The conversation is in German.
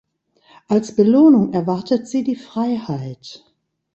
Als Belohnung erwartet sie die Freiheit.